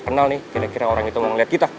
bentar lagi gue keluar ya